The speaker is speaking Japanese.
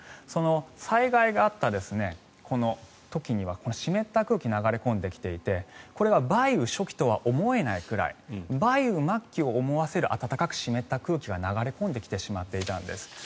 災害があった、この時には湿った空気が流れ込んできていてこれが梅雨初期とは思えないくらい梅雨末期を思わせる暖かく湿った空気が流れ込んできていたんです。